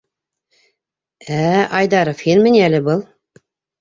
— Ә, Айдаров, һинме ни әле был?